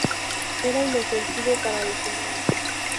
Era inofensivo para los humanos.